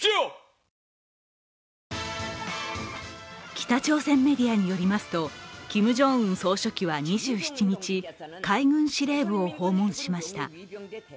北朝鮮メディアによりますとキム・ジョンウン総書記は２７日海軍司令部を訪問しました。